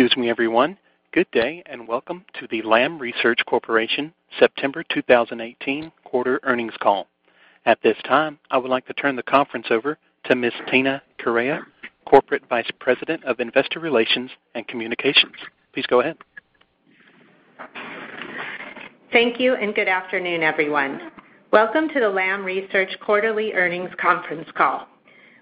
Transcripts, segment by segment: Excuse me, everyone. Good day, and welcome to the Lam Research Corporation September 2018 quarter earnings call. At this time, I would like to turn the conference over to Ms. Tina Correia, Corporate Vice President of Investor Relations and Communications. Please go ahead. Thank you. Good afternoon, everyone. Welcome to the Lam Research quarterly earnings conference call.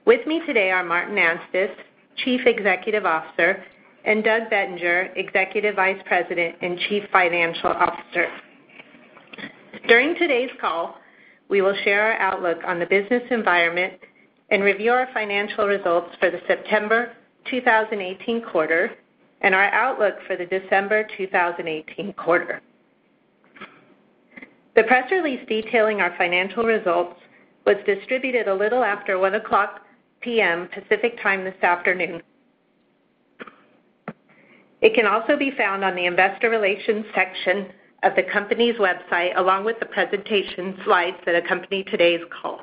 With me today are Martin Anstice, Chief Executive Officer, and Doug Bettinger, Executive Vice President and Chief Financial Officer. During today's call, we will share our outlook on the business environment and review our financial results for the September 2018 quarter, and our outlook for the December 2018 quarter. The press release detailing our financial results was distributed a little after 1:00 P.M. Pacific Time this afternoon. It can also be found on the investor relations section of the company's website, along with the presentation slides that accompany today's call.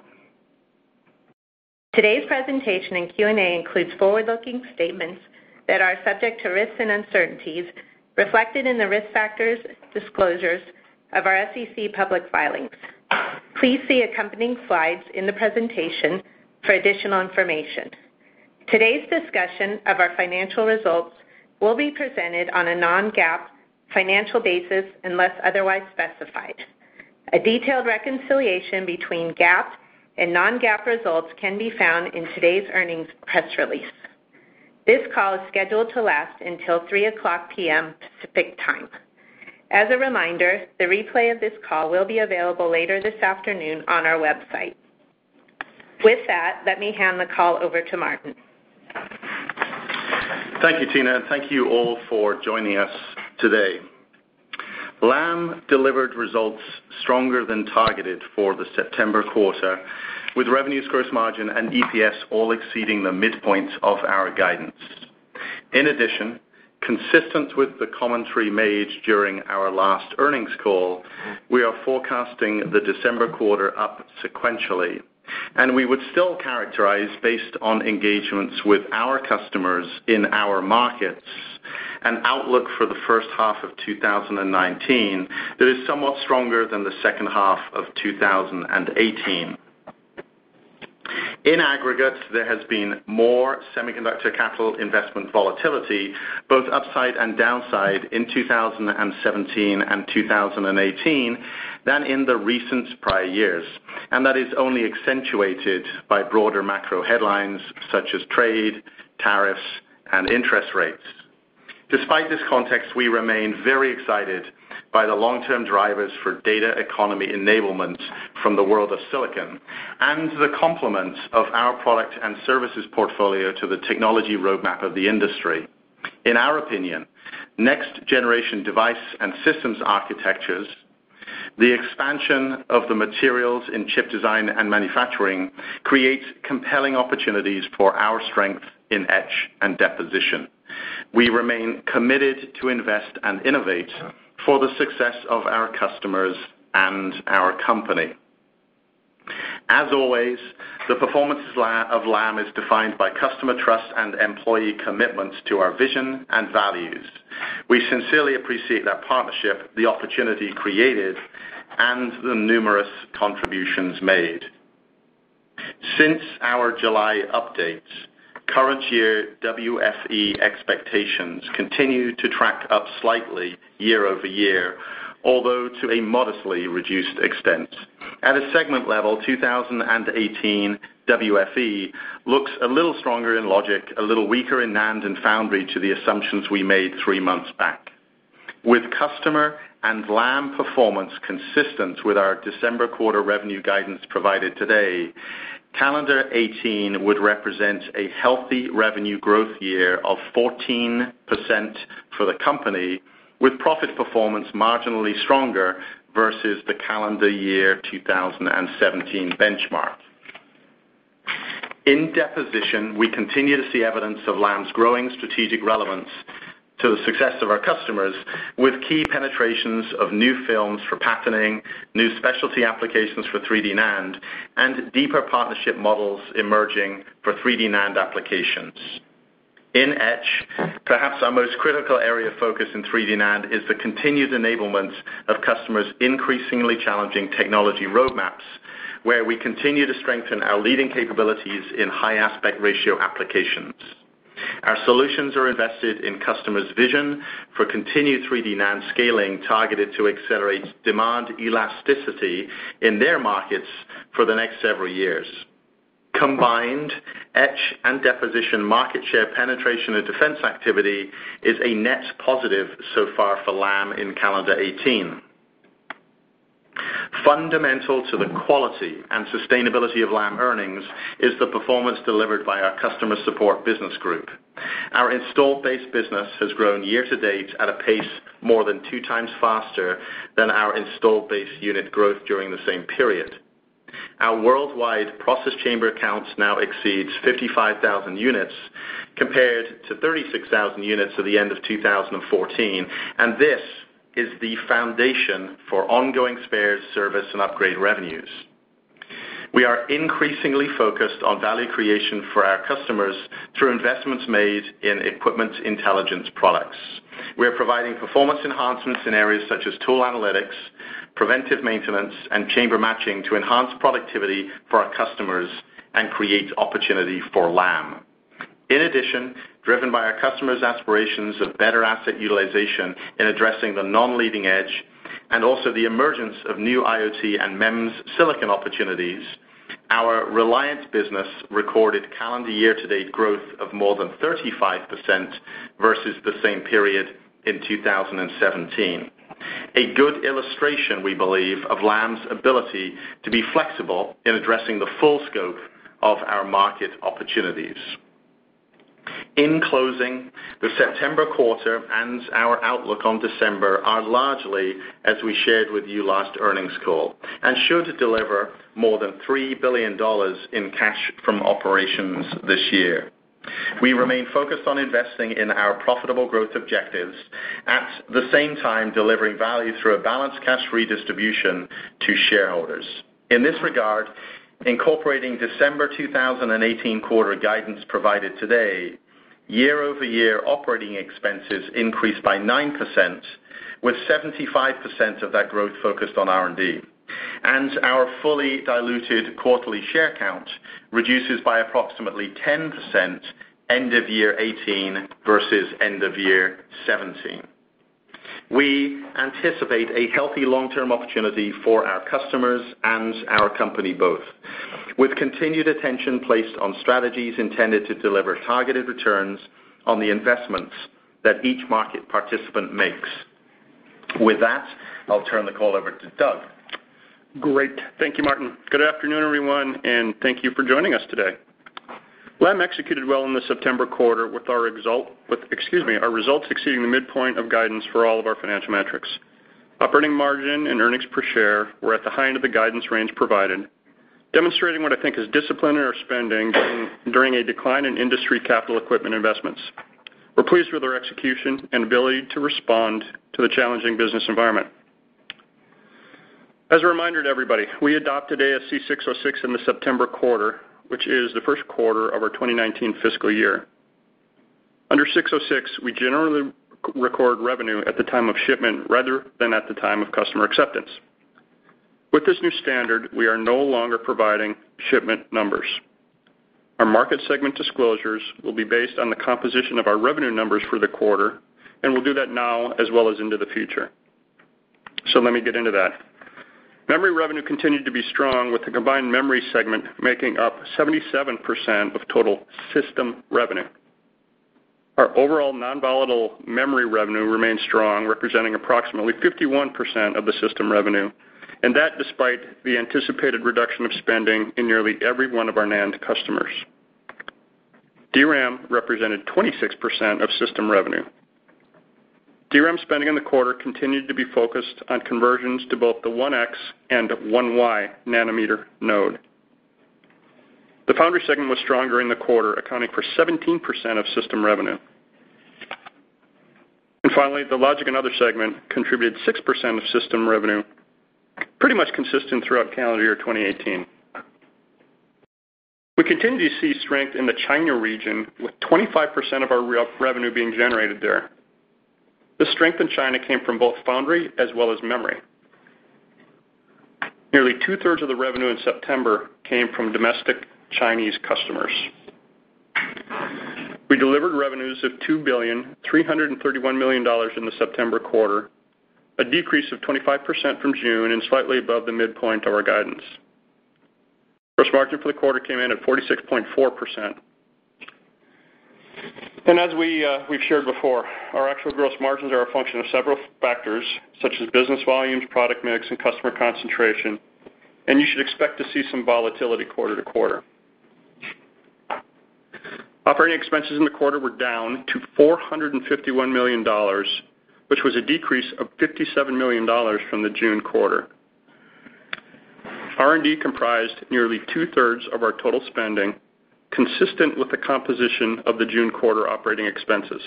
Today's presentation and Q&A includes forward-looking statements that are subject to risks and uncertainties reflected in the risk factors disclosures of our SEC public filings. Please see accompanying slides in the presentation for additional information. Today's discussion of our financial results will be presented on a non-GAAP financial basis unless otherwise specified. A detailed reconciliation between GAAP and non-GAAP results can be found in today's earnings press release. This call is scheduled to last until 3:00 P.M. Pacific Time. As a reminder, the replay of this call will be available later this afternoon on our website. With that, let me hand the call over to Martin. Thank you, Tina. Thank you all for joining us today. Lam delivered results stronger than targeted for the September quarter, with revenues, gross margin, and EPS all exceeding the midpoints of our guidance. In addition, consistent with the commentary made during our last earnings call, we are forecasting the December quarter up sequentially, and we would still characterize, based on engagements with our customers in our markets, an outlook for the first half of 2019 that is somewhat stronger than the second half of 2018. In aggregate, there has been more semiconductor capital investment volatility, both upside and downside, in 2017 and 2018 than in the recent prior years. That is only accentuated by broader macro headlines such as trade, tariffs, and interest rates. Despite this context, we remain very excited by the long-term drivers for data economy enablement from the world of silicon and the complements of our product and services portfolio to the technology roadmap of the industry. In our opinion, next-generation device and systems architectures, the expansion of the materials in chip design and manufacturing, create compelling opportunities for our strength in etch and deposition. We remain committed to invest and innovate for the success of our customers and our company. As always, the performance of Lam is defined by customer trust and employee commitment to our vision and values. We sincerely appreciate that partnership, the opportunity created, and the numerous contributions made. Since our July updates, current year WFE expectations continue to track up slightly year-over-year, although to a modestly reduced extent. At a segment level, 2018 WFE looks a little stronger in logic, a little weaker in NAND and foundry to the assumptions we made three months back. With customer and Lam performance consistent with our December quarter revenue guidance provided today, calendar 2018 would represent a healthy revenue growth year of 14% for the company, with profit performance marginally stronger versus the calendar 2017 benchmark. In deposition, we continue to see evidence of Lam's growing strategic relevance to the success of our customers with key penetrations of new films for patterning, new specialty applications for 3D NAND, and deeper partnership models emerging for 3D NAND applications. In etch, perhaps our most critical area of focus in 3D NAND is the continued enablement of customers' increasingly challenging technology roadmaps, where we continue to strengthen our leading capabilities in high aspect ratio applications. Our solutions are invested in customers' vision for continued 3D NAND scaling targeted to accelerate demand elasticity in their markets for the next several years. Combined etch and deposition market share penetration and defense activity is a net positive so far for Lam in calendar 2018. Fundamental to the quality and sustainability of Lam earnings is the performance delivered by our customer support business group. Our installed base business has grown year to date at a pace more than two times faster than our installed base unit growth during the same period. Our worldwide process chamber counts now exceeds 55,000 units, compared to 36,000 units at the end of 2014, and this is the foundation for ongoing spares, service, and upgrade revenues. We are increasingly focused on value creation for our customers through investments made in Equipment Intelligence products. We are providing performance enhancements in areas such as tool analytics, preventive maintenance, and chamber matching to enhance productivity for our customers and create opportunity for Lam. In addition, driven by our customers' aspirations of better asset utilization in addressing the non-leading edge, and also the emergence of new IoT and MEMS silicon opportunities, our reliance business recorded calendar year-to-date growth of more than 35% versus the same period in 2017. A good illustration, we believe, of Lam's ability to be flexible in addressing the full scope of our market opportunities. In closing, the September quarter and our outlook on December are largely as we shared with you last earnings call, and sure to deliver more than $3 billion in cash from operations this year. We remain focused on investing in our profitable growth objectives, at the same time, delivering value through a balanced cash redistribution to shareholders. In this regard, incorporating December 2018 quarter guidance provided today, year-over-year operating expenses increased by 9%, with 75% of that growth focused on R&D, and our fully diluted quarterly share count reduces by approximately 10% end of year 2018 versus end of year 2017. We anticipate a healthy long-term opportunity for our customers and our company both, with continued attention placed on strategies intended to deliver targeted returns on the investments that each market participant makes. With that, I'll turn the call over to Doug. Great. Thank you, Martin. Good afternoon, everyone, and thank you for joining us today. Lam executed well in the September quarter with our results exceeding the midpoint of guidance for all of our financial metrics. Operating margin and earnings per share were at the high end of the guidance range provided, demonstrating what I think is discipline in our spending during a decline in industry capital equipment investments. We're pleased with our execution and ability to respond to the challenging business environment. As a reminder to everybody, we adopted ASC 606 in the September quarter, which is the first quarter of our 2019 fiscal year. Under 606, we generally record revenue at the time of shipment rather than at the time of customer acceptance. With this new standard, we are no longer providing shipment numbers. Our market segment disclosures will be based on the composition of our revenue numbers for the quarter, and we'll do that now as well as into the future. Let me get into that. Memory revenue continued to be strong with the combined memory segment making up 77% of total system revenue. Our overall non-volatile memory revenue remains strong, representing approximately 51% of the system revenue, and that despite the anticipated reduction of spending in nearly every one of our NAND customers. DRAM represented 26% of system revenue. DRAM spending in the quarter continued to be focused on conversions to both the 1X and 1Y nanometer node. The foundry segment was stronger in the quarter, accounting for 17% of system revenue. And finally, the logic and other segment contributed 6% of system revenue, pretty much consistent throughout calendar year 2018. We continue to see strength in the China region, with 25% of our revenue being generated there. The strength in China came from both foundry as well as memory. Nearly two-thirds of the revenue in September came from domestic Chinese customers. We delivered revenues of $2.331 billion in the September quarter, a decrease of 25% from June and slightly above the midpoint of our guidance. Gross margin for the quarter came in at 46.4%. And as we've shared before, our actual gross margins are a function of several factors, such as business volumes, product mix, and customer concentration, and you should expect to see some volatility quarter to quarter. Operating expenses in the quarter were down to $451 million, which was a decrease of $57 million from the June quarter. R&D comprised nearly two-thirds of our total spending, consistent with the composition of the June quarter operating expenses.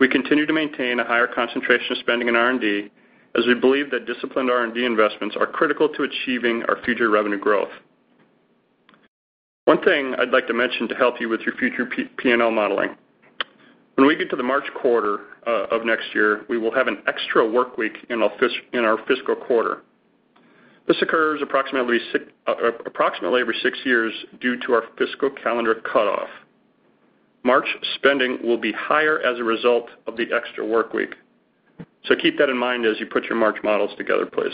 We continue to maintain a higher concentration of spending in R&D as we believe that disciplined R&D investments are critical to achieving our future revenue growth. One thing I'd like to mention to help you with your future P&L modeling. When we get to the March quarter of next year, we will have an extra work week in our fiscal quarter. This occurs approximately every six years due to our fiscal calendar cutoff. March spending will be higher as a result of the extra work week. Keep that in mind as you put your March models together, please.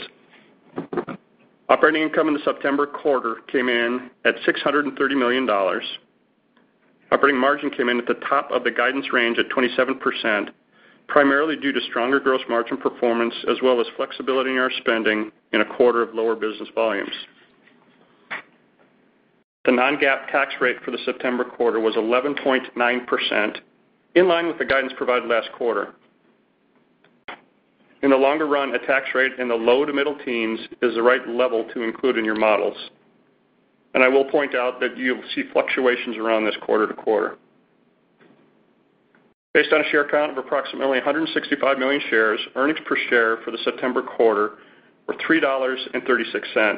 Operating income in the September quarter came in at $630 million. Operating margin came in at the top of the guidance range at 27%, primarily due to stronger gross margin performance as well as flexibility in our spending in a quarter of lower business volumes. The non-GAAP tax rate for the September quarter was 11.9%, in line with the guidance provided last quarter. In the longer run, a tax rate in the low to middle teens is the right level to include in your models. I will point out that you'll see fluctuations around this quarter to quarter. Based on a share count of approximately 165 million shares, earnings per share for the September quarter were $3.36,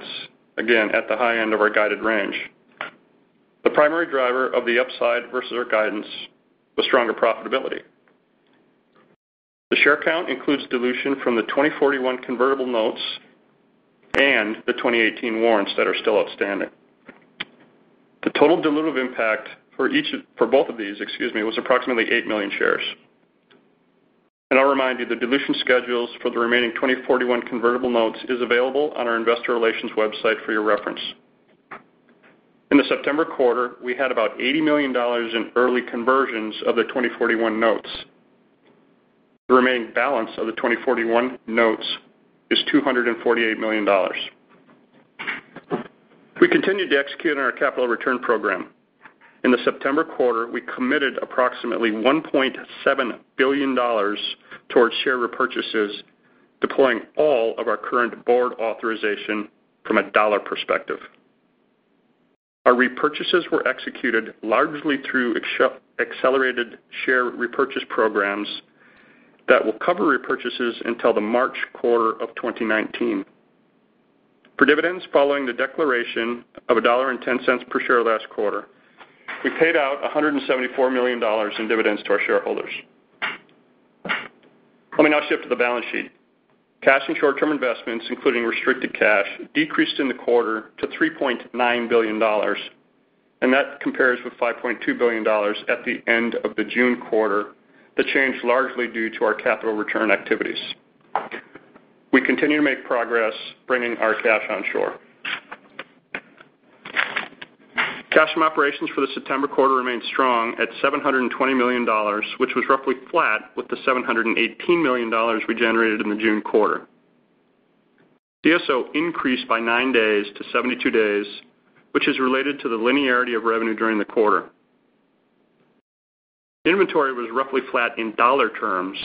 again, at the high end of our guided range. The primary driver of the upside versus our guidance was stronger profitability. The share count includes dilution from the 2041 convertible notes and the 2018 warrants that are still outstanding. The total dilutive impact for both of these was approximately eight million shares. I'll remind you, the dilution schedules for the remaining 2041 convertible notes is available on our investor relations website for your reference. In the September quarter, we had about $80 million in early conversions of the 2041 notes. The remaining balance of the 2041 notes is $248 million. We continued to execute on our capital return program. In the September quarter, we committed approximately $1.7 billion towards share repurchases, deploying all of our current board authorization from a dollar perspective. Our repurchases were executed largely through accelerated share repurchase programs that will cover repurchases until the March quarter of 2019. For dividends following the declaration of $1.10 per share last quarter, we paid out $174 million in dividends to our shareholders. Let me now shift to the balance sheet. Cash and short-term investments, including restricted cash, decreased in the quarter to $3.9 billion. That compares with $5.2 billion at the end of the June quarter. The change largely due to our capital return activities. We continue to make progress bringing our cash onshore. Cash from operations for the September quarter remained strong at $720 million, which was roughly flat with the $718 million we generated in the June quarter. DSO increased by nine days to 72 days, which is related to the linearity of revenue during the quarter. Inventory was roughly flat in dollar terms,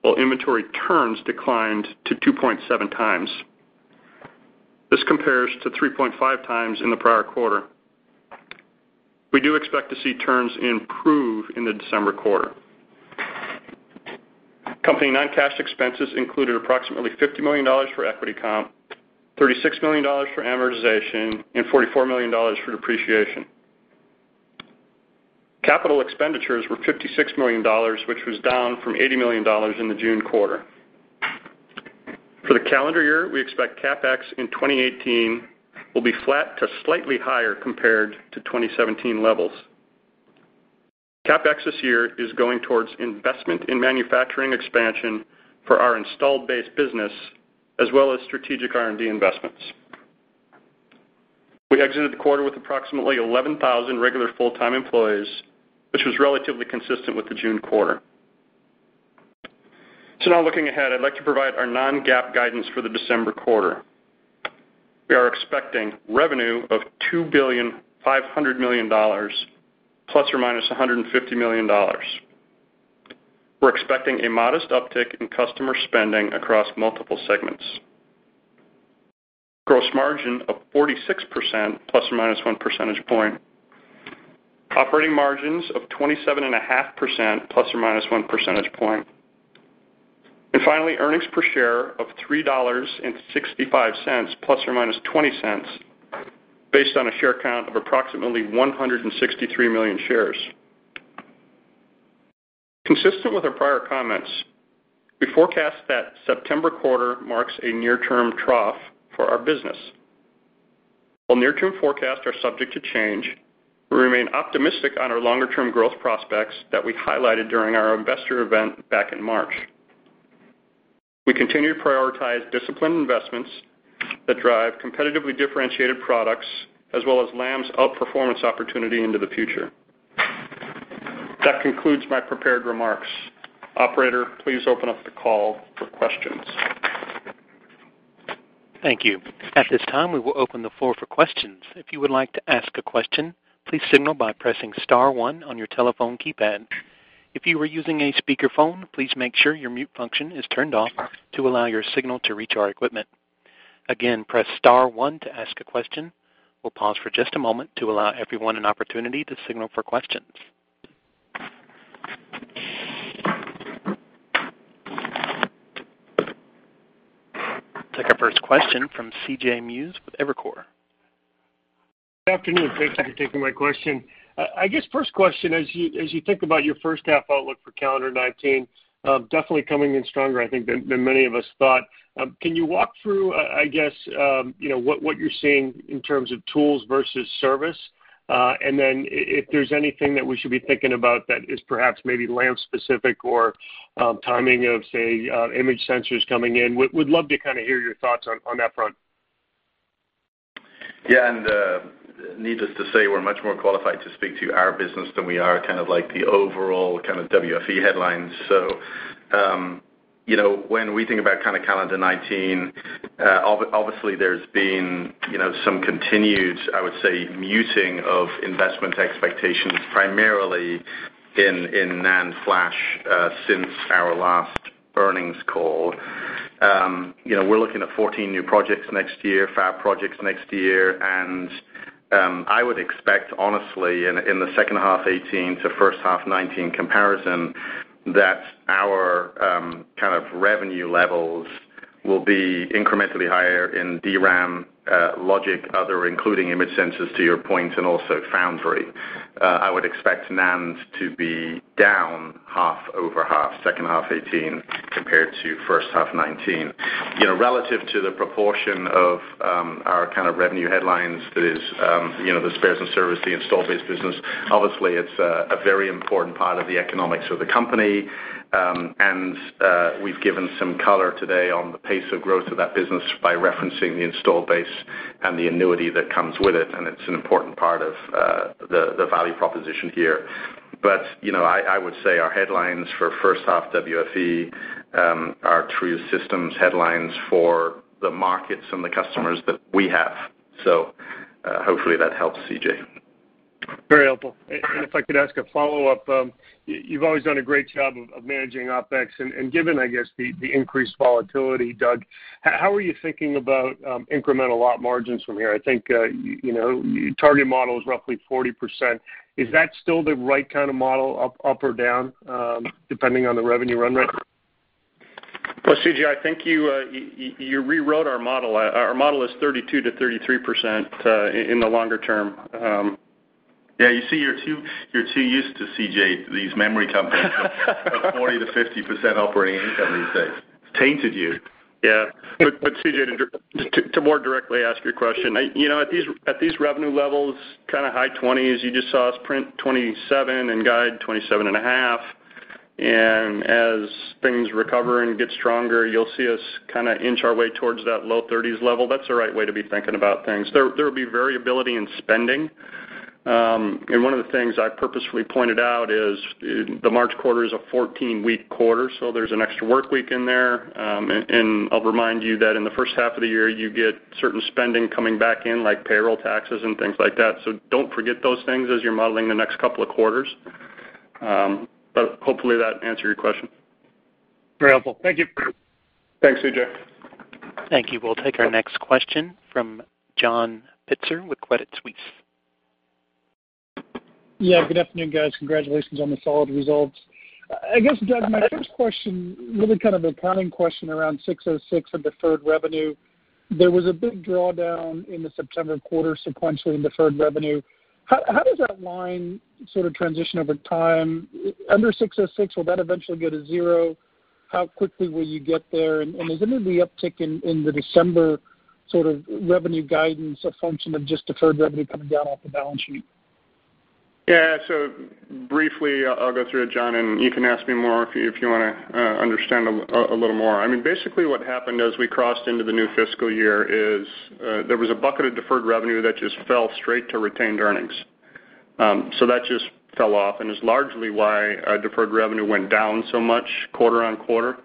while inventory turns declined to 2.7 times. This compares to 3.5 times in the prior quarter. We do expect to see turns improve in the December quarter. Company non-cash expenses included approximately $50 million for equity comp, $36 million for amortization, and $44 million for depreciation. Capital expenditures were $56 million, which was down from $80 million in the June quarter. For the calendar year, we expect CapEx in 2018 will be flat to slightly higher compared to 2017 levels. CapEx this year is going towards investment in manufacturing expansion for our installed base business, as well as strategic R&D investments. We exited the quarter with approximately 11,000 regular full-time employees, which was relatively consistent with the June quarter. Looking ahead, I'd like to provide our non-GAAP guidance for the December quarter. We are expecting revenue of $2.5 billion ±$150 million. We're expecting a modest uptick in customer spending across multiple segments. Gross margin of 46% ±1 percentage point. Operating margins of 27.5% ±1 percentage point. Finally, earnings per share of $3.65 ±$0.20, based on a share count of approximately 163 million shares. Consistent with our prior comments, we forecast that September quarter marks a near-term trough for our business. While near-term forecasts are subject to change, we remain optimistic on our longer-term growth prospects that we highlighted during our investor event back in March. We continue to prioritize disciplined investments that drive competitively differentiated products, as well as Lam's outperformance opportunity into the future. That concludes my prepared remarks. Operator, please open up the call for questions. Thank you. At this time, we will open the floor for questions. If you would like to ask a question, please signal by pressing star one on your telephone keypad. If you are using a speakerphone, please make sure your mute function is turned off to allow your signal to reach our equipment. Again, press star one to ask a question. We'll pause for just a moment to allow everyone an opportunity to signal for questions. I'll take our first question from C.J. Muse with Evercore. Good afternoon. Thank you for taking my question. I guess first question, as you think about your first half outlook for calendar 2019, definitely coming in stronger, I think, than many of us thought. Can you walk through, I guess, what you're seeing in terms of tools versus service? If there's anything that we should be thinking about that is perhaps maybe Lam specific or timing of, say, image sensors coming in. We'd love to kind of hear your thoughts on that front. Needless to say, we're much more qualified to speak to our business than we are kind of like the overall kind of WFE headlines. When we think about kind of calendar 2019, obviously there's been some continued, I would say, muting of investment expectations, primarily in NAND flash since our last earnings call. We're looking at 14 new projects next year, fab projects next year. I would expect, honestly, in the second half 2018 to first half 2019 comparison, that our kind of revenue levels will be incrementally higher in DRAM, logic, other, including image sensors to your point, and also foundry. I would expect NAND to be down half over half, second half 2018 compared to first half 2019. Relative to the proportion of our kind of revenue headlines, that is, the spares and service, the installed base business, obviously, it's a very important part of the economics of the company. We've given some color today on the pace of growth of that business by referencing the installed base and the annuity that comes with it. It's an important part of the value proposition here. I would say our headlines for first half WFE are true systems headlines for the markets and the customers that we have. Hopefully that helps, C.J. Very helpful. If I could ask a follow-up. You've always done a great job of managing OpEx. Given, I guess, the increased volatility, Doug, how are you thinking about incremental lot margins from here? I think your target model is roughly 40%. Is that still the right kind of model, up or down, depending on the revenue run rate? Well, C.J., I think you rewrote our model. Our model is 32%-33% in the longer term. Yeah, you see you're too used to, C.J., these memory companies of 40%-50% operating income these days. It's tainted you. Yeah. C.J., to more directly ask your question, at these revenue levels, kind of high 20s, you just saw us print 27 and guide 27 and a half. As things recover and get stronger, you'll see us kind of inch our way towards that low 30s level. That's the right way to be thinking about things. There will be variability in spending. One of the things I purposefully pointed out is the March quarter is a 14-week quarter, so there's an extra workweek in there. I'll remind you that in the first half of the year, you get certain spending coming back in, like payroll taxes and things like that. Don't forget those things as you're modeling the next couple of quarters. Hopefully that answered your question. Very helpful. Thank you. Thanks, C.J. Thank you. We'll take our next question from John Pitzer with Credit Suisse. Yeah, good afternoon, guys. Congratulations on the solid results. I guess, Doug, my first question, really kind of an accounting question around 606 and deferred revenue. There was a big drawdown in the September quarter sequentially in deferred revenue. How does that line sort of transition over time? Under 606, will that eventually go to zero? How quickly will you get there? And is any of the uptick in the December sort of revenue guidance a function of just deferred revenue coming down off the balance sheet? Yeah, briefly I'll go through it, John, and you can ask me more if you want to understand a little more. Basically what happened as we crossed into the new fiscal year is there was a bucket of deferred revenue that just fell straight to retained earnings. That just fell off and is largely why our deferred revenue went down so much quarter-on-quarter.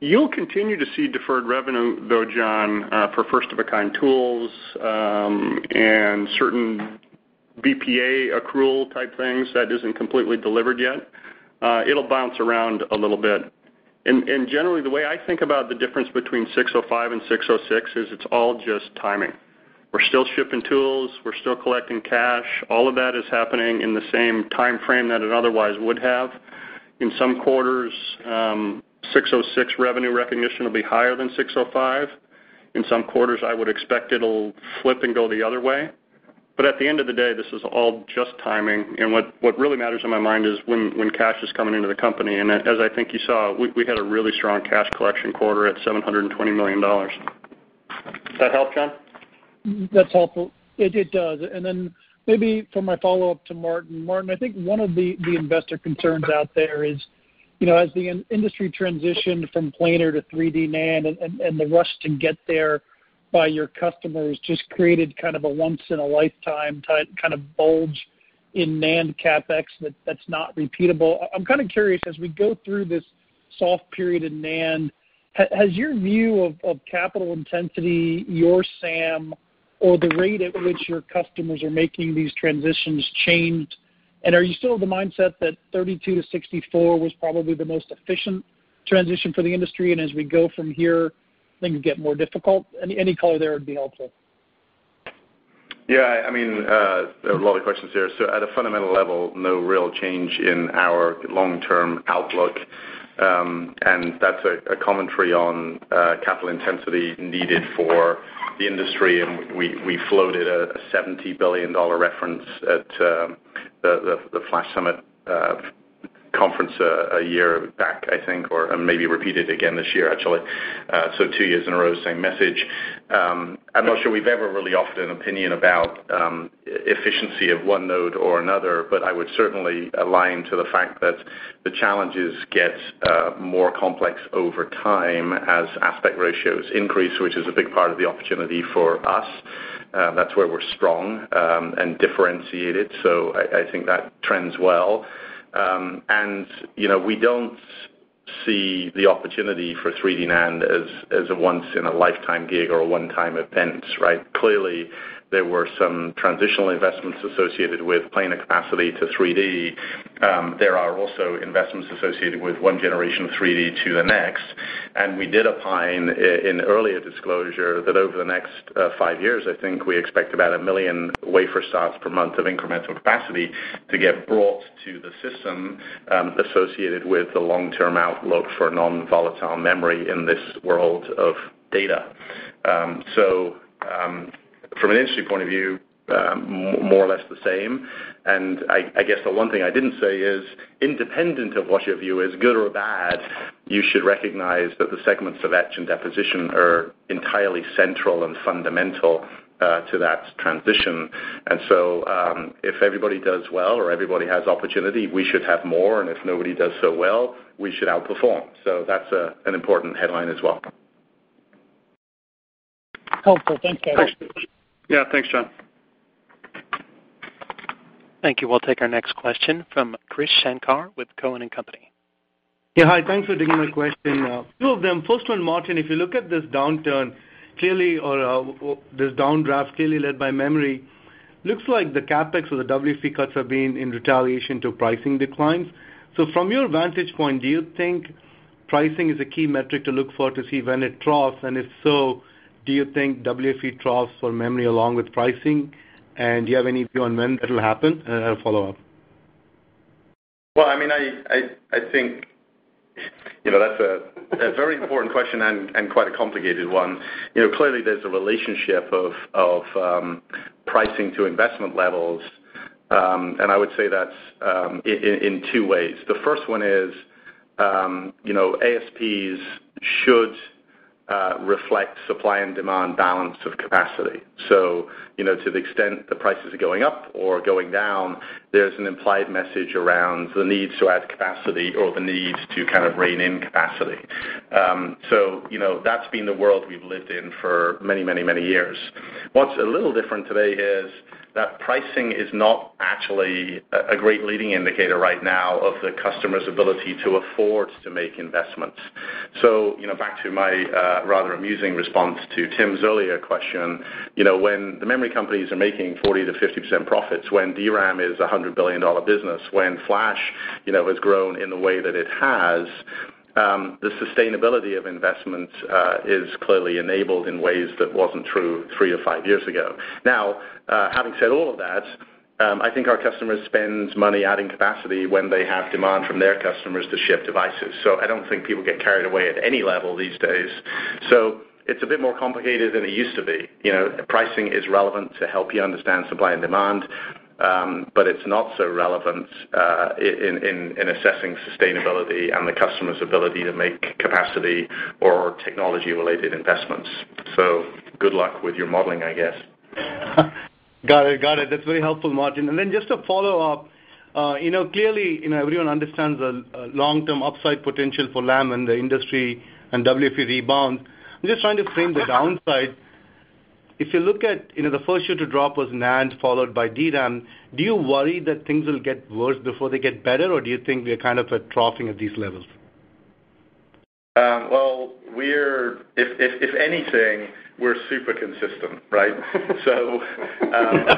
You'll continue to see deferred revenue, though, John for first-of-a-kind tools and certain BPA accrual type things that isn't completely delivered yet. It'll bounce around a little bit. Generally, the way I think about the difference between 605 and 606 is it's all just timing. We're still shipping tools, we're still collecting cash. All of that is happening in the same timeframe that it otherwise would have. In some quarters, 606 revenue recognition will be higher than 605. In some quarters, I would expect it'll flip and go the other way. At the end of the day, this is all just timing, and what really matters in my mind is when cash is coming into the company. As I think you saw, we had a really strong cash collection quarter at $720 million. Does that help, John? That's helpful. It does. Maybe for my follow-up to Martin. Martin, I think one of the investor concerns out there is as the industry transitioned from planar to 3D NAND and the rush to get there by your customers just created kind of a once in a lifetime type kind of bulge in NAND CapEx that's not repeatable. I'm kind of curious, as we go through this soft period in NAND, has your view of capital intensity, your SAM, or the rate at which your customers are making these transitions changed? Are you still of the mindset that 32 to 64 was probably the most efficient transition for the industry, and as we go from here, things get more difficult? Any color there would be helpful. Yeah. There are a lot of questions here. At a fundamental level, no real change in our long-term outlook, that's a commentary on capital intensity needed for the industry, we floated a $70 billion reference at the Flash Summit conference a year back, I think, or maybe repeated again this year, actually. Two years in a row, same message. I'm not sure we've ever really offered an opinion about efficiency of one node or another, I would certainly align to the fact that the challenges get more complex over time as aspect ratios increase, which is a big part of the opportunity for us. That's where we're strong and differentiated, so I think that trends well. We don't see the opportunity for 3D NAND as a once in a lifetime gig or a one-time event. Clearly, there were some transitional investments associated with planar capacity to 3D. There are also investments associated with one generation of 3D to the next, we did opine in earlier disclosure that over the next five years, I think we expect about a million wafer starts per month of incremental capacity to get brought to the system associated with the long-term outlook for non-volatile memory in this world of data. From an industry point of view, more or less the same. I guess the one thing I didn't say is, independent of what your view is, good or bad, you should recognize that the segments of etch and deposition are entirely central and fundamental to that transition. If everybody does well or everybody has opportunity, we should have more. If nobody does so well, we should outperform. That's an important headline as well. Helpful. Thanks, Guys. Thanks. Yeah, thanks, John. Thank you. We'll take our next question from Krish Sankar with Cowen and Company. Yeah. Hi. Thanks for taking my question. two of them. First one, Martin, if you look at this downturn, clearly or this downdraft clearly led by memory, looks like the CapEx or the WFE cuts have been in retaliation to pricing declines. From your vantage point, do you think pricing is a key metric to look for to see when it troughs? If so, do you think WFE troughs for memory along with pricing? Do you have any view on when that'll happen? I have a follow-up. Well, that's a very important question and quite a complicated one. Clearly, there's a relationship of pricing to investment levels. I would say that in two ways. The first one is, ASPs should reflect supply and demand balance of capacity. To the extent the prices are going up or going down, there's an implied message around the need to add capacity or the need to kind of rein in capacity. That's been the world we've lived in for many years. What's a little different today is that pricing is not actually a great leading indicator right now of the customer's ability to afford to make investments. Back to my rather amusing response to Tim's earlier question, when the memory companies are making 40%-50% profits, when DRAM is a $100 billion business, when Flash has grown in the way that it has, the sustainability of investments is clearly enabled in ways that wasn't true three to five years ago. Now, having said all of that, I think our customers spend money adding capacity when they have demand from their customers to ship devices. I don't think people get carried away at any level these days. It's a bit more complicated than it used to be. Pricing is relevant to help you understand supply and demand, but it's not so relevant in assessing sustainability and the customer's ability to make capacity or technology-related investments. Good luck with your modeling, I guess. Got it. That's very helpful, Martin. Then just to follow up, clearly, everyone understands the long-term upside potential for Lam in the industry and WFE rebound. I'm just trying to frame the downside. If you look at the first shoe to drop was NAND, followed by DRAM, do you worry that things will get worse before they get better, or do you think we are kind of troughing at these levels? Well, if anything, we're super consistent, right?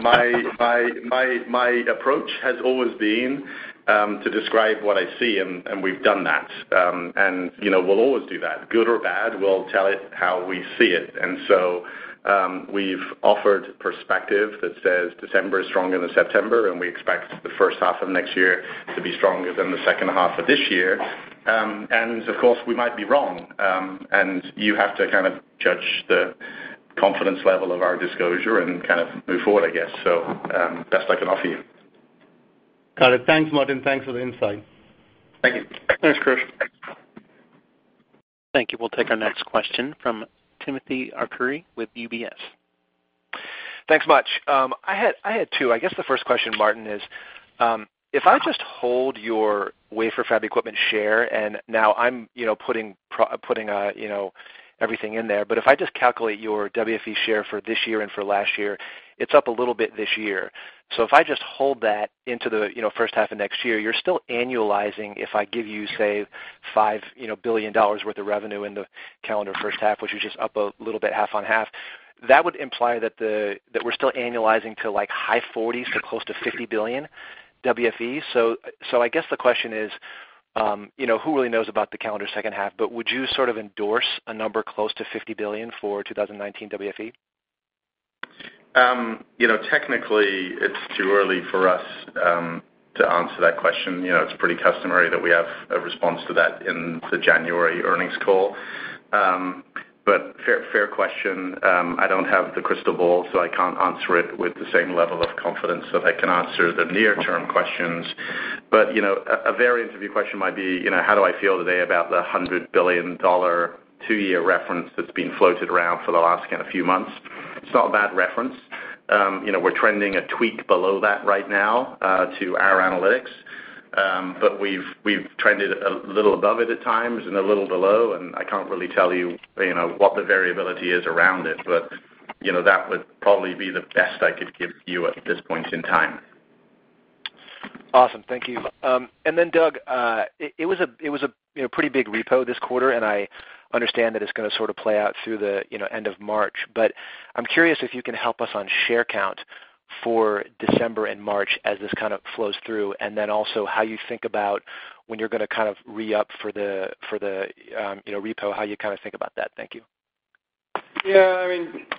My approach has always been to describe what I see, and we've done that. We'll always do that. Good or bad, we'll tell it how we see it. We've offered perspective that says December is stronger than September, and we expect the first half of next year to be stronger than the second half of this year. Of course, we might be wrong. You have to kind of judge the confidence level of our disclosure and kind of move forward, I guess. Best I can offer you. Got it. Thanks, Martin. Thanks for the insight. Thank you. Thanks, Krish. Thank you. We'll take our next question from Timothy Arcuri with UBS. Thanks much. I had two. The first question, Martin, is, if I just hold your wafer fab equipment share, and now I'm putting everything in there, but if I just calculate your WFE share for this year and for last year, it's up a little bit this year. If I just hold that into the first half of next year, you're still annualizing, if I give you, say, $5 billion worth of revenue in the calendar first half, which is just up a little bit half on half, that would imply that we're still annualizing to like high 40s to close to $50 billion WFE. The question is, who really knows about the calendar second half, but would you sort of endorse a number close to $50 billion for 2019 WFE? Technically, it's too early for us to answer that question. It's pretty customary that we have a response to that in the January earnings call. Fair question. I don't have the crystal ball, so I can't answer it with the same level of confidence that I can answer the near-term questions. A variance of your question might be, how do I feel today about the $100 billion two-year reference that's been floated around for the last kind of few months? It's not a bad reference. We're trending a tweak below that right now to our analytics. We've trended a little above it at times and a little below, and I can't really tell you what the variability is around it. That would probably be the best I could give you at this point in time. Awesome. Thank you. Doug, it was a pretty big repo this quarter, and I understand that it's going to sort of play out through the end of March, but I'm curious if you can help us on share count for December and March as this kind of flows through, and also how you think about when you're going to kind of re-up for the repo, how you kind of think about that. Thank you. Yeah.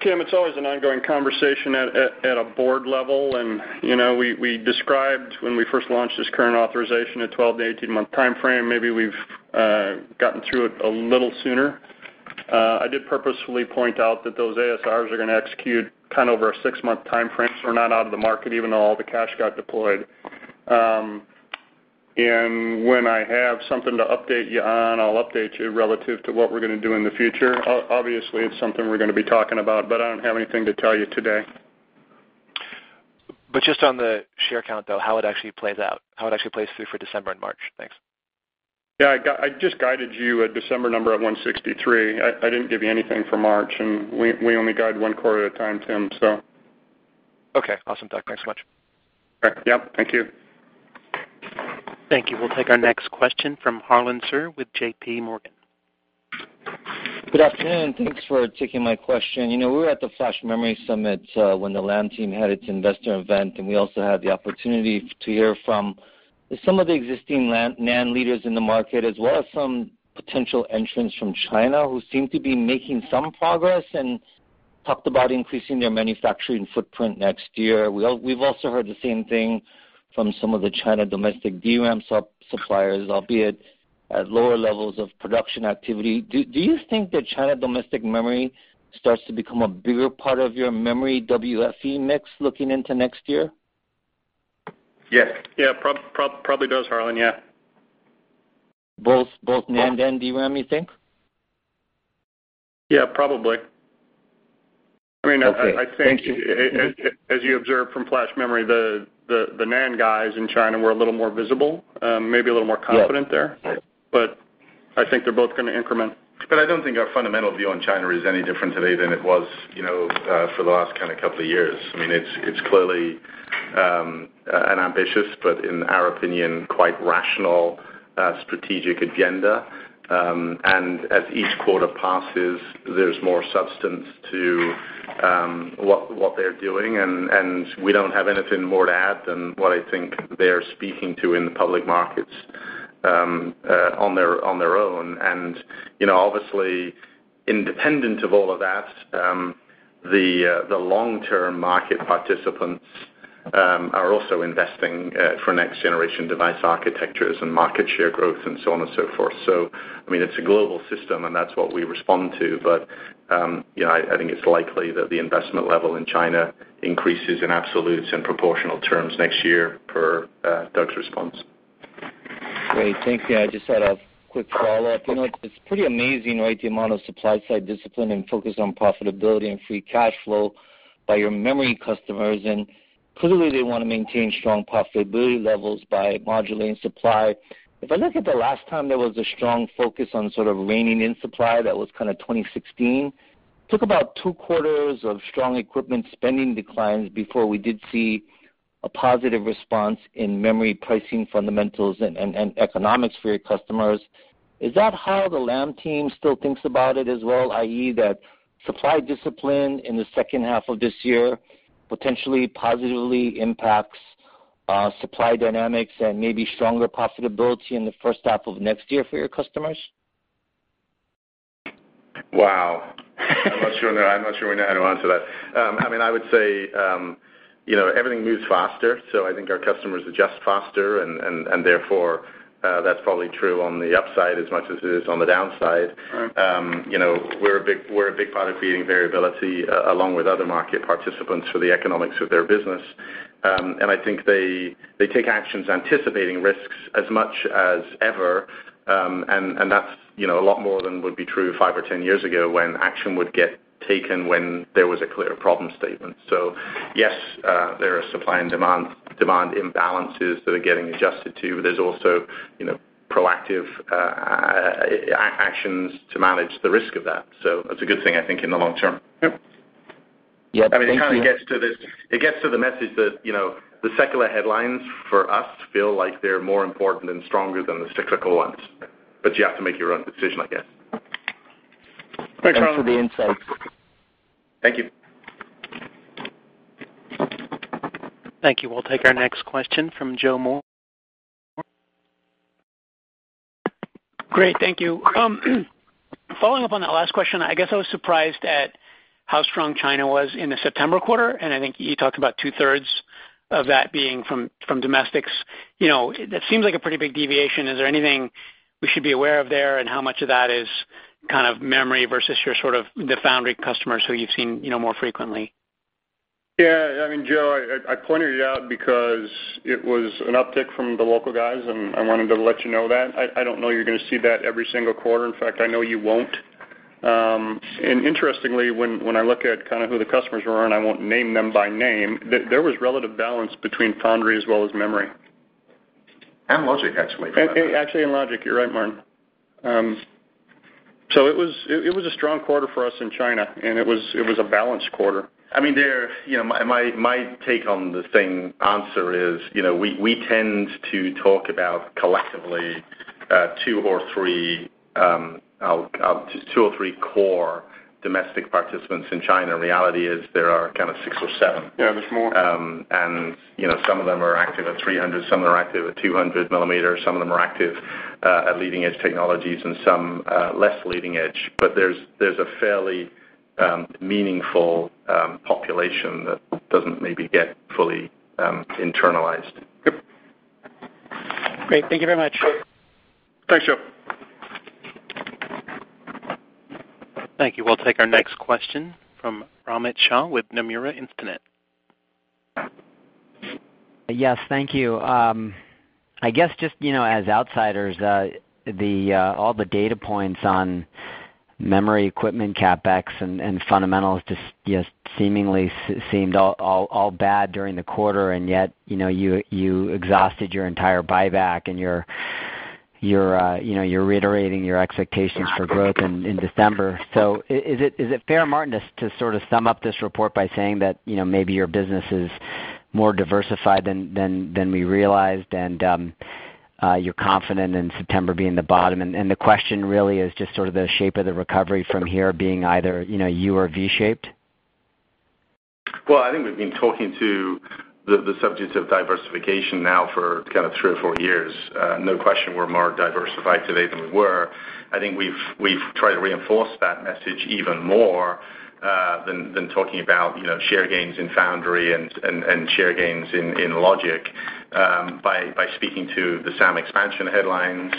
Tim, it's always an ongoing conversation at a board level, and we described when we first launched this current authorization, a 12 to 18-month timeframe. Maybe we've gotten through it a little sooner. I did purposefully point out that those ASRs are going to execute kind of over a six-month timeframe, so we're not out of the market even though all the cash got deployed. When I have something to update you on, I'll update you relative to what we're going to do in the future. Obviously, it's something we're going to be talking about, but I don't have anything to tell you today. Just on the share count, though, how it actually plays out, how it actually plays through for December and March. Thanks. Yeah, I just guided you a December number of 163. I didn't give you anything for March, and we only guide one quarter at a time, Tim. Okay. Awesome, Doug. Thanks so much. All right. Yep, thank you. Thank you. We'll take our next question from Harlan Sur with JPMorgan. Good afternoon. Thanks for taking my question. We were at the Flash Memory Summit when the Lam team had its investor event, and we also had the opportunity to hear from some of the existing NAND leaders in the market, as well as some potential entrants from China who seem to be making some progress and talked about increasing their manufacturing footprint next year. We've also heard the same thing from some of the China domestic DRAM suppliers, albeit at lower levels of production activity. Do you think that China domestic memory starts to become a bigger part of your memory WFE mix looking into next year? Yes. Probably does, Harlan. Yeah. Both NAND and DRAM, you think? Yeah, probably. Okay. Thank you. I think as you observed from Flash Memory, the NAND guys in China were a little more visible, maybe a little more confident there. Yeah. Right. I think they're both going to increment. I don't think our fundamental view on China is any different today than it was for the last kind of couple of years. It's clearly an ambitious, but in our opinion, quite rational, strategic agenda. As each quarter passes, there's more substance to what they're doing, and we don't have anything more to add than what I think they're speaking to in the public markets on their own. Obviously, independent of all of that, the long-term market participants are also investing for next-generation device architectures and market share growth and so on and so forth. It's a global system, and that's what we respond to. I think it's likely that the investment level in China increases in absolutes and proportional terms next year, per Doug's response. Great. Thank you. I just had a quick follow-up. It's pretty amazing, right? The amount of supply side discipline and focus on profitability and free cash flow by your memory customers, and clearly, they want to maintain strong profitability levels by modulating supply. If I look at the last time there was a strong focus on sort of reining in supply, that was kind of 2016. Took about two quarters of strong equipment spending declines before we did see a positive response in memory pricing fundamentals and economics for your customers. Is that how the Lam team still thinks about it as well, i.e., that supply discipline in the second half of this year potentially positively impacts supply dynamics and maybe stronger profitability in the first half of next year for your customers? Wow. I'm not sure we know how to answer that. I would say everything moves faster, so I think our customers adjust faster, and therefore, that's probably true on the upside as much as it is on the downside. Right. We're a big product feeding variability along with other market participants for the economics of their business. I think they take actions anticipating risks as much as ever, and that's a lot more than would be true five or 10 years ago when action would get taken when there was a clear problem statement. Yes, there are supply and demand imbalances that are getting adjusted to, but there's also proactive actions to manage the risk of that. That's a good thing, I think, in the long term. Yep. Yeah. Thank you. It gets to the message that the secular headlines for us feel like they're more important and stronger than the cyclical ones. You have to make your own decision, I guess. Thanks, Harlan. Thanks for the insights. Thank you. Thank you. We'll take our next question from Joseph Moore. Great. Thank you. Following up on that last question, I guess I was surprised at how strong China was in the September quarter, and I think you talked about two-thirds of that being from domestics. That seems like a pretty big deviation. Is there anything we should be aware of there, and how much of that is kind of memory versus your sort of the foundry customers who you've seen more frequently? Yeah. Joe, I pointed it out because it was an uptick from the local guys, and I wanted to let you know that. I don't know you're going to see that every single quarter. In fact, I know you won't. Interestingly, when I look at kind of who the customers were, and I won't name them by name, there was relative balance between foundry as well as memory Logic, actually Actually, and logic, you're right, Martin. It was a strong quarter for us in China, and it was a balanced quarter. My take on the same answer is, we tend to talk about collectively, two or three core domestic participants in China. Reality is there are kind of six or seven. Yeah, there's more. Some of them are active at 300, some of them are active at 200 millimeters, some of them are active at leading-edge technologies and some less leading edge. There's a fairly meaningful population that doesn't maybe get fully internalized. Yep. Great. Thank you very much. Thanks, Joe. Thank you. We'll take our next question from Romit Shah with Nomura Instinet. Yes, thank you. I guess just as outsiders, all the data points on memory equipment, CapEx and fundamentals just seemingly seemed all bad during the quarter, and yet you exhausted your entire buyback and you're reiterating your expectations for growth in December. Is it fair, Martin, to sort of sum up this report by saying that maybe your business is more diversified than we realized and you're confident in September being the bottom, and the question really is just sort of the shape of the recovery from here being either U or V shaped? Well, I think we've been talking to the subject of diversification now for kind of three or four years. No question we're more diversified today than we were. I think we've tried to reinforce that message even more, than talking about share gains in foundry and share gains in logic, by speaking to the SAM expansion headlines.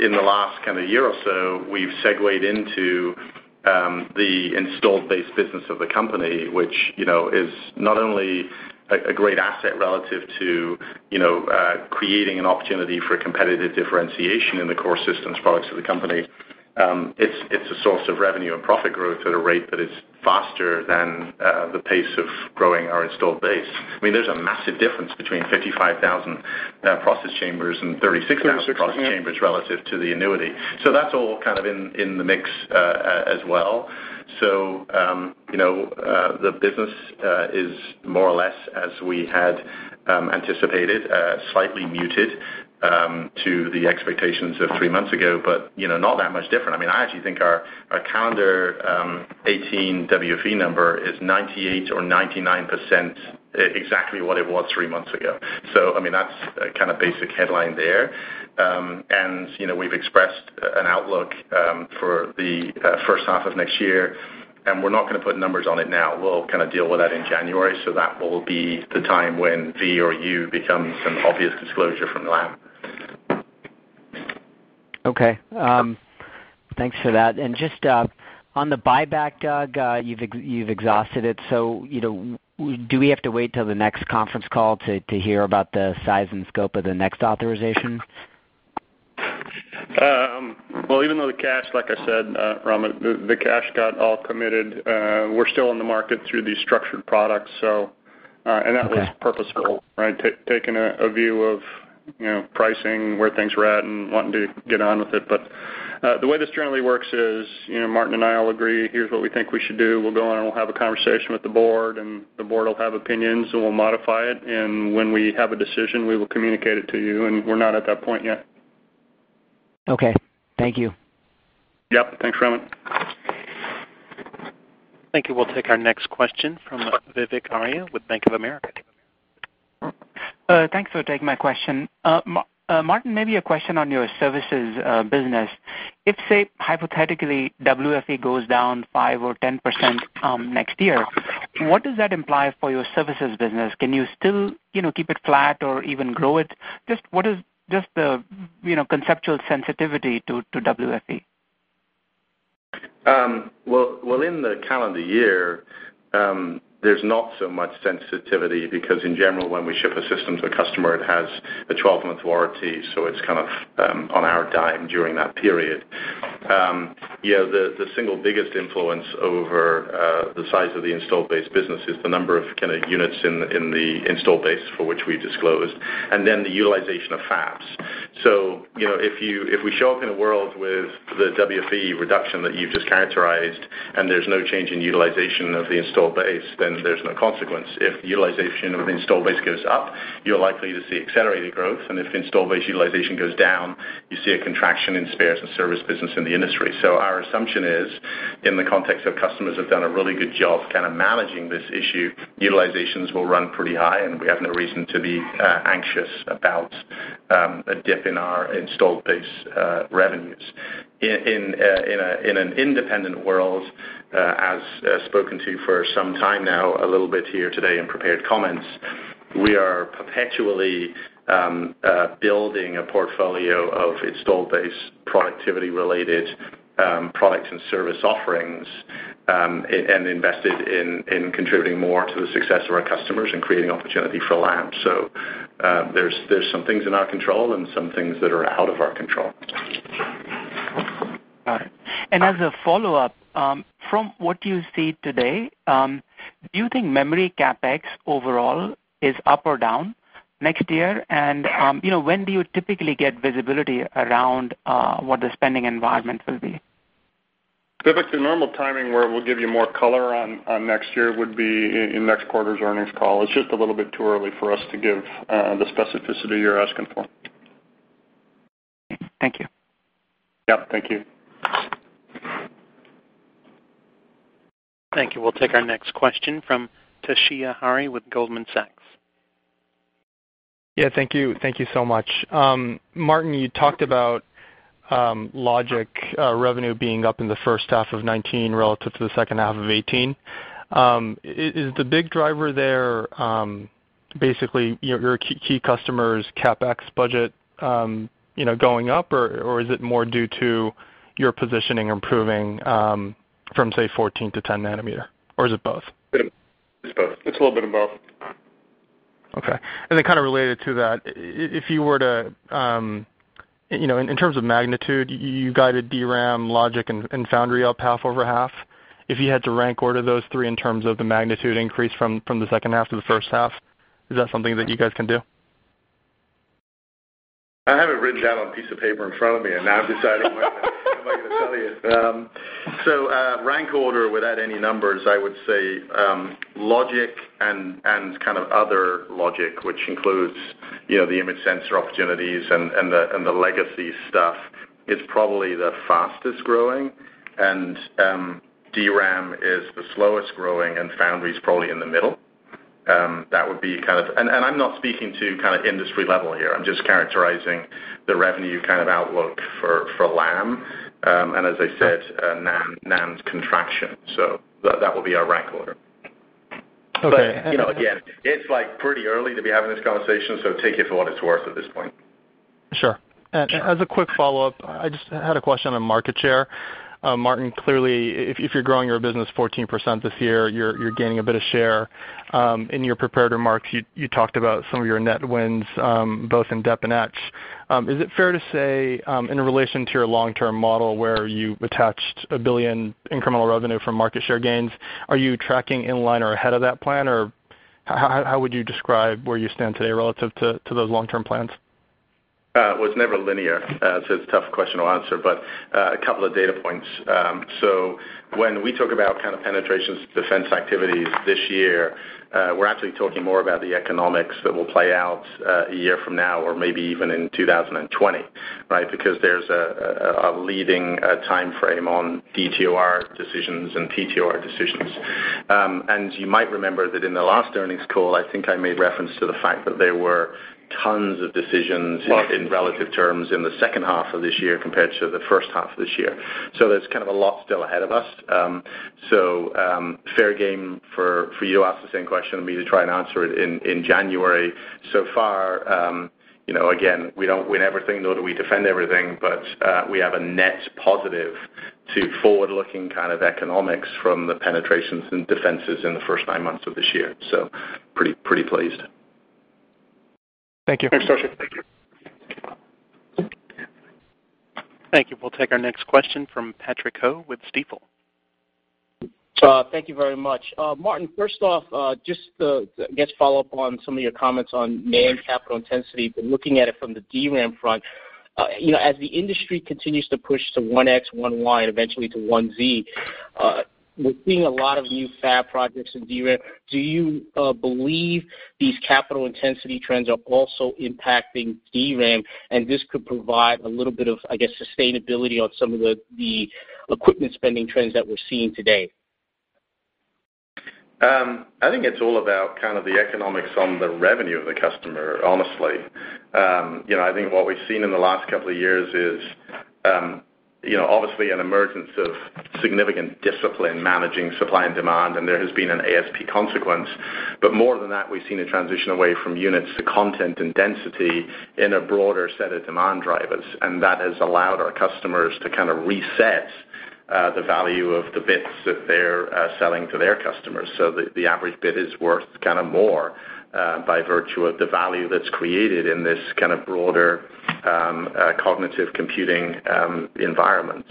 In the last kind of year or so, we've segued into the installed base business of the company, which is not only a great asset relative to creating an opportunity for competitive differentiation in the core systems products of the company, it's a source of revenue and profit growth at a rate that is faster than the pace of growing our installed base. There's a massive difference between 55,000 process chambers and 36,000 process chambers relative to the annuity. That's all kind of in the mix as well. The business is more or less as we had anticipated, slightly muted to the expectations of three months ago, but not that much different. I actually think our calendar 2018 WFE number is 98% or 99% exactly what it was three months ago. That's a kind of basic headline there. We've expressed an outlook for the first half of next year, and we're not going to put numbers on it now. We'll kind of deal with that in January. That will be the time when V or U becomes an obvious disclosure from Lam. Okay. Thanks for that. Just on the buyback, Doug, you've exhausted it. Do we have to wait till the next conference call to hear about the size and scope of the next authorization? Well, even though the cash, like I said, Romit, the cash got all committed, we're still in the market through these structured products. Okay. That was purposeful, right? Taking a view of pricing, where things were at and wanting to get on with it. The way this generally works is, Martin and I all agree, here's what we think we should do. We'll go on and we'll have a conversation with the board, and the board will have opinions, so we'll modify it. When we have a decision, we will communicate it to you, and we're not at that point yet. Okay. Thank you. Yep. Thanks, Romit. Thank you. We'll take our next question from Vivek Arya with Bank of America. Thanks for taking my question. Martin, maybe a question on your services business. If, say, hypothetically, WFE goes down 5% or 10% next year, what does that imply for your services business? Can you still keep it flat or even grow it? Just what is the conceptual sensitivity to WFE? Well, in the calendar year, there's not so much sensitivity because in general, when we ship a system to a customer, it has a 12-month warranty, so it's kind of on our dime during that period. The single biggest influence over the size of the installed base business is the number of kind of units in the installed base for which we've disclosed, and then the utilization of fabs. If we show up in a world with the WFE reduction that you've just characterized, and there's no change in utilization of the installed base, then there's no consequence. If utilization of installed base goes up, you're likely to see accelerated growth, and if installed base utilization goes down, you see a contraction in spares and service business in the industry. Our assumption is, in the context of customers have done a really good job kind of managing this issue, utilizations will run pretty high, and we have no reason to be anxious about a dip in our installed base revenues. In an independent world, as spoken to for some time now, a little bit here today in prepared comments, we are perpetually building a portfolio of installed base productivity-related products and service offerings, and invested in contributing more to the success of our customers and creating opportunity for Lam. There's some things in our control and some things that are out of our control. Got it. As a follow-up, from what you see today, do you think memory CapEx overall is up or down next year? When do you typically get visibility around what the spending environment will be? Vivek, the normal timing where we'll give you more color on next year would be in next quarter's earnings call. It's just a little bit too early for us to give the specificity you're asking for. Thank you. Yeah. Thank you. Thank you. We'll take our next question from Toshiya Hari with Goldman Sachs. Yeah, thank you. Thank you so much. Martin, you talked about logic revenue being up in the first half of 2019 relative to the second half of 2018. Is the big driver there basically your key customer's CapEx budget going up, or is it more due to your positioning improving from, say, 14 to 10 nanometer? Is it both? It's both. It's a little bit of both. Okay. Then kind of related to that, in terms of magnitude, you guided DRAM, logic, and foundry up half over half. If you had to rank order those three in terms of the magnitude increase from the second half to the first half, is that something that you guys can do? I have it written down on a piece of paper in front of me, now I'm deciding whether or not I'm going to tell you. Rank order without any numbers, I would say logic and kind of other logic, which includes the image sensor opportunities and the legacy stuff, is probably the fastest-growing, DRAM is the slowest-growing, foundry is probably in the middle. I'm not speaking to kind of industry level here, I'm just characterizing the revenue kind of outlook for Lam. As I said, NAND's contraction. That will be our rank order. Okay. Again, it's pretty early to be having this conversation, take it for what it's worth at this point. Sure. As a quick follow-up, I just had a question on market share. Martin, clearly, if you're growing your business 14% this year, you're gaining a bit of share. In your prepared remarks, you talked about some of your net wins, both in dep and etch. Is it fair to say, in relation to your long-term model, where you attached a $1 billion incremental revenue from market share gains, are you tracking in line or ahead of that plan, or how would you describe where you stand today relative to those long-term plans? It's never linear, so it's a tough question to answer, but a couple of data points. When we talk about kind of penetrations defense activities this year, we're actually talking more about the economics that will play out a year from now or maybe even in 2020, right? Because there's a leading timeframe on DTOR decisions and PTOR decisions. You might remember that in the last earnings call, I think I made reference to the fact that there were tons of decisions in relative terms in the second half of this year compared to the first half of this year. There's kind of a lot still ahead of us. Fair game for you to ask the same question and me to try and answer it in January. Far, again, we don't win everything, nor do we defend everything, but we have a net positive to forward-looking kind of economics from the penetrations and defenses in the first nine months of this year, so pretty pleased. Thank you. Thanks, Toshiya. Thank you. Thank you. We'll take our next question from Patrick Ho with Stifel. Thank you very much. Martin, first off, just to follow up on some of your comments on NAND capital intensity, looking at it from the DRAM front. As the industry continues to push to 1X, 1Y, and eventually to 1Z, we're seeing a lot of new fab projects in DRAM. Do you believe these capital intensity trends are also impacting DRAM and this could provide a little bit of, I guess, sustainability on some of the equipment spending trends that we're seeing today? I think it's all about kind of the economics on the revenue of the customer, honestly. I think what we've seen in the last couple of years is obviously an emergence of significant discipline managing supply and demand, and there has been an ASP consequence. More than that, we've seen a transition away from units to content and density in a broader set of demand drivers, and that has allowed our customers to kind of reset the value of the bits that they're selling to their customers. The average bit is worth kind of more by virtue of the value that's created in this kind of broader cognitive computing environment.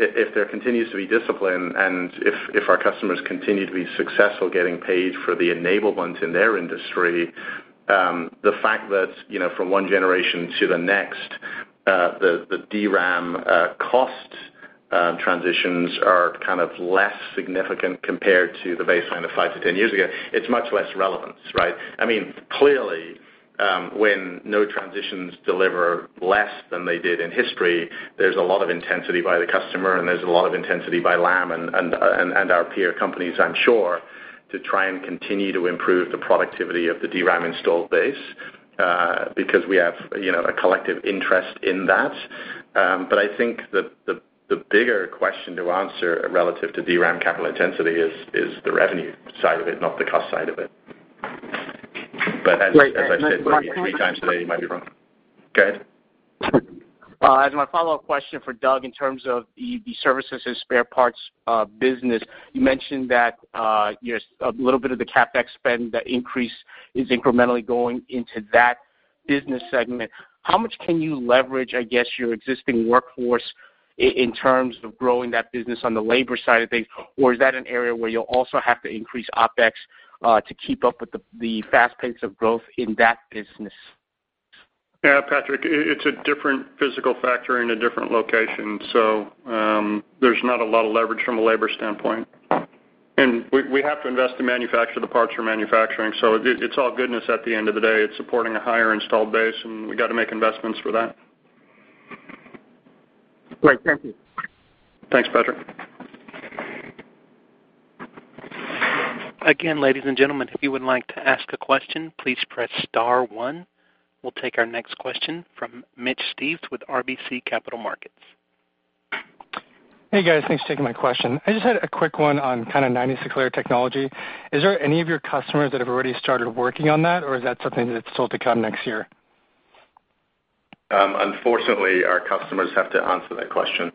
If there continues to be discipline and if our customers continue to be successful getting paid for the enablement in their industry, the fact that from one generation to the next, the DRAM cost transitions are kind of less significant compared to the baseline of five to 10 years ago, it's much less relevant, right? Clearly, when no transitions deliver less than they did in history, there's a lot of intensity by the customer, and there's a lot of intensity by Lam and our peer companies, I'm sure, to try and continue to improve the productivity of the DRAM installed base, because we have a collective interest in that. I think the bigger question to answer relative to DRAM capital intensity is the revenue side of it, not the cost side of it. As I've said maybe three times today, I might be wrong. Go ahead. As my follow-up question for Doug, in terms of the services and spare parts business, you mentioned that a little bit of the CapEx spend, that increase is incrementally going into that. Business segment, how much can you leverage, I guess, your existing workforce in terms of growing that business on the labor side of things? Is that an area where you'll also have to increase OpEx to keep up with the fast pace of growth in that business? Patrick, it's a different physical factor in a different location. There's not a lot of leverage from a labor standpoint. We have to invest to manufacture the parts for manufacturing. It's all goodness at the end of the day. It's supporting a higher installed base, and we got to make investments for that. Great. Thank you. Thanks, Patrick. Again, ladies and gentlemen, if you would like to ask a question, please press star one. We'll take our next question from Mitch Steves with RBC Capital Markets. Hey, guys. Thanks for taking my question. I just had a quick one on kind of 96-layer technology. Is there any of your customers that have already started working on that, or is that something that's still to come next year? Unfortunately, our customers have to answer that question.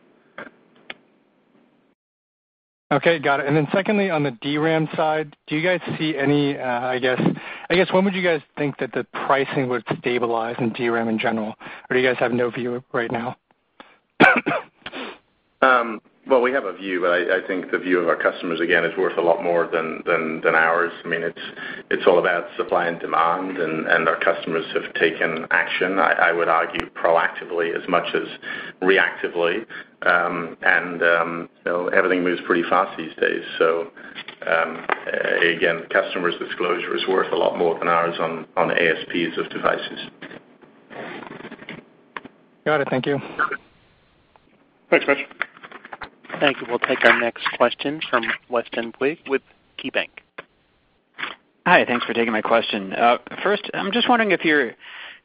Okay, got it. Secondly, on the DRAM side, do you guys see any, I guess, when would you guys think that the pricing would stabilize in DRAM in general? Do you guys have no view right now? Well, we have a view, I think the view of our customers, again, is worth a lot more than ours. It's all about supply and demand, our customers have taken action, I would argue proactively as much as reactively. Everything moves pretty fast these days, again, customer's disclosure is worth a lot more than ours on ASPs of devices. Got it. Thank you. Thanks, Mitch. Thank you. We'll take our next question from Weston Twigg with KeyBanc. Hi, thanks for taking my question. First, I'm just wondering if you're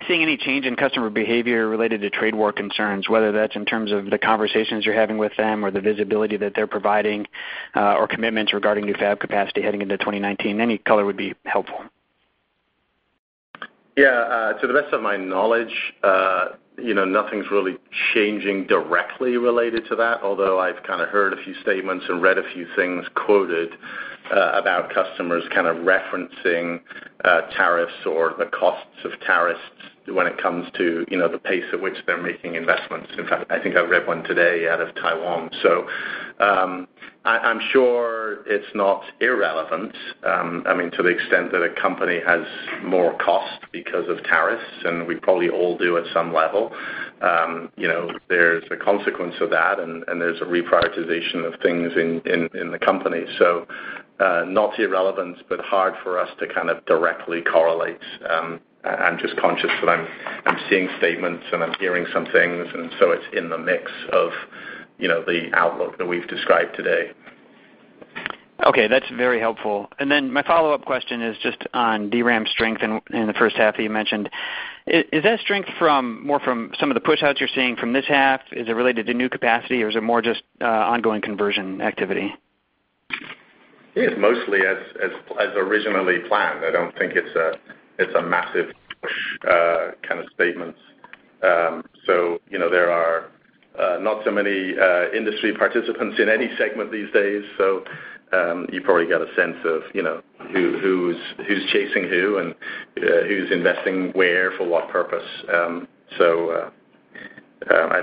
seeing any change in customer behavior related to trade war concerns, whether that's in terms of the conversations you're having with them, or the visibility that they're providing, or commitments regarding new fab capacity heading into 2019. Any color would be helpful. Yeah. To the best of my knowledge, nothing's really changing directly related to that, although I've kind of heard a few statements and read a few things quoted about customers kind of referencing tariffs or the costs of tariffs when it comes to the pace at which they're making investments. In fact, I think I read one today out of Taiwan. I'm sure it's not irrelevant, to the extent that a company has more cost because of tariffs, and we probably all do at some level. There's a consequence of that and there's a reprioritization of things in the company. Not irrelevant, but hard for us to kind of directly correlate. I'm just conscious that I'm seeing statements and I'm hearing some things, it's in the mix of the outlook that we've described today. Okay, that's very helpful. My follow-up question is just on DRAM strength in the first half that you mentioned. Is that strength more from some of the pushouts you're seeing from this half? Is it related to new capacity, or is it more just ongoing conversion activity? I think it's mostly as originally planned. I don't think it's a massive push kind of statement. There are not so many industry participants in any segment these days. You probably get a sense of who's chasing who and who's investing where for what purpose. I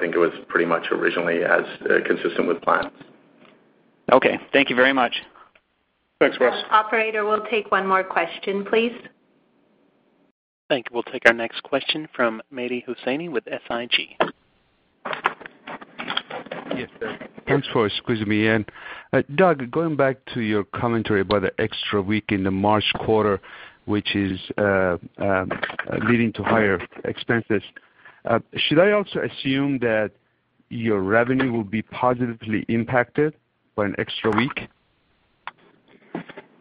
think it was pretty much originally as consistent with plans. Okay. Thank you very much. Thanks, Wes. Operator, we'll take one more question, please. Thank you. We'll take our next question from Mehdi Hosseini with SIG. Yes, sir. Thanks for squeezing me in. Doug, going back to your commentary about the extra week in the March quarter, which is leading to higher expenses. Should I also assume that your revenue will be positively impacted by an extra week?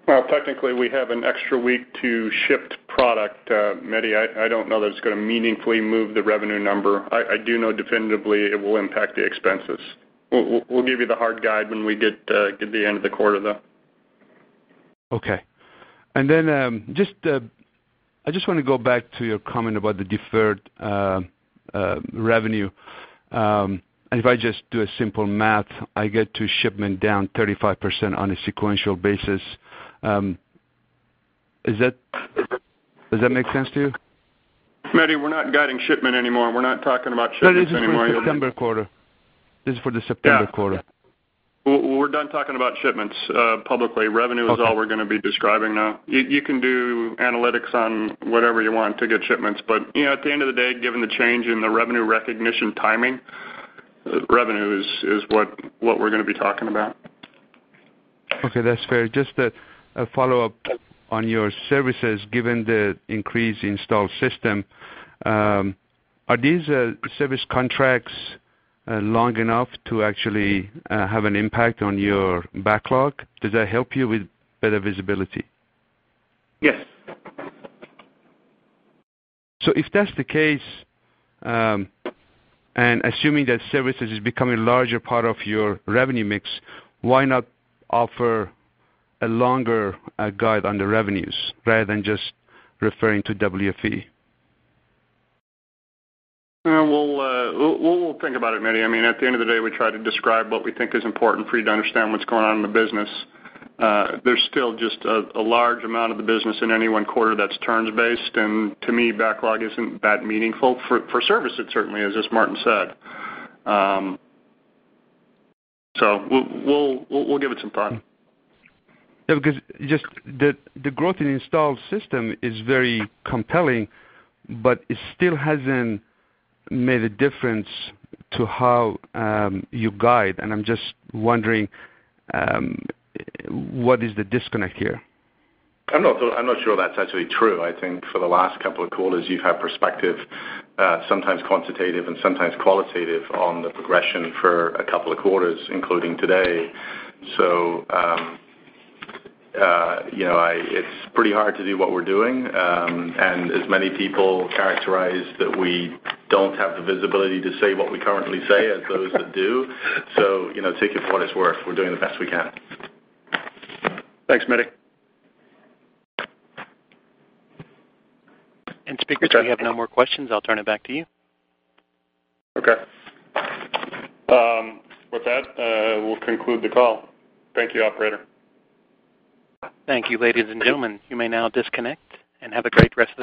Well, technically, we have an extra week to shift product, Mehdi. I don't know that it's going to meaningfully move the revenue number. I do know definitively it will impact the expenses. We'll give you the hard guide when we get to the end of the quarter, though. Okay. I just want to go back to your comment about the deferred revenue. If I just do a simple math, I get total shipment down 35% on a sequential basis. Does that make sense to you? Mehdi, we're not guiding shipment anymore. We're not talking about shipments anymore. This is for the September quarter. This is for the September quarter. We're done talking about shipments publicly. Revenue is all we're gonna be describing now. You can do analytics on whatever you want to get shipments, but at the end of the day, given the change in the revenue recognition timing, revenue is what we're gonna be talking about. Okay, that's fair. Just a follow-up on your services, given the increased installed system, are these service contracts long enough to actually have an impact on your backlog? Does that help you with better visibility? Yes. If that's the case, and assuming that services is becoming a larger part of your revenue mix, why not offer a longer guide on the revenues rather than just referring to WFE? We'll think about it, Mehdi. At the end of the day, we try to describe what we think is important for you to understand what's going on in the business. There's still just a large amount of the business in any one quarter that's terms-based, and to me, backlog isn't that meaningful for services, certainly, as Martin said. We'll give it some thought. Yeah, the growth in installed system is very compelling, it still hasn't made a difference to how you guide, and I'm just wondering what is the disconnect here? I'm not sure that's actually true. I think for the last couple of quarters, you've had perspective, sometimes quantitative and sometimes qualitative, on the progression for a couple of quarters, including today. It's pretty hard to do what we're doing, and as many people characterize that we don't have the visibility to say what we currently say as those that do. Take it for what it's worth, we're doing the best we can. Thanks, Mehdi. Speakers, we have no more questions. I'll turn it back to you. Okay. With that, we'll conclude the call. Thank you, operator. Thank you, ladies and gentlemen. You may now disconnect and have a great rest of the day.